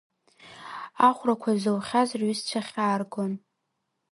Ахәрақәа заухьаз рҩызцәа хьааргон.